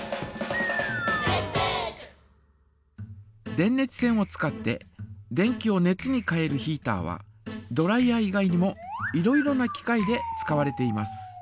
電熱線を使って電気を熱に変えるヒータはドライヤー以外にもいろいろな機械で使われています。